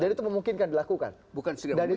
dan itu memungkinkan dilakukan